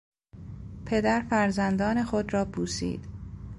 پدر فرزندان خود را بوسید.